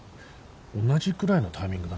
同じくらいのタイミングだね。